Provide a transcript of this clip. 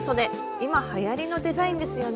今はやりのデザインですよね。